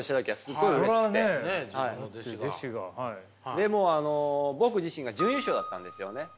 でもあの僕自身が準優勝だったんですよね。